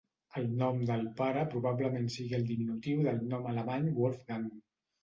El nom del pare probablement sigui el diminutiu del nom alemany Wolfgang.